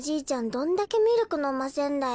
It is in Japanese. どんだけミルクのませんだよ。